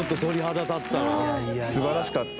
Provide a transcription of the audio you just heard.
すばらしかった。